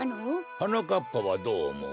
はなかっぱはどうおもう？